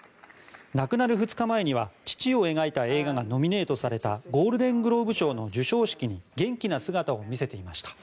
亡くなる２日前には父を描いた映画がノミネートされたゴールデングローブ賞の授賞式に元気な姿を見せていました。